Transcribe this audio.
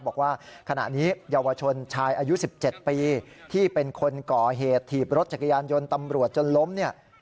บอกว่าขณะนี้เยาวชนชายอายุ๑๗ปีที่เป็นคนก่อเหตุถีบรถจักรยานยนต์ตำรวจจนล้มเนี่ย